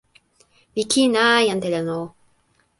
mi kin a, jan Telen o!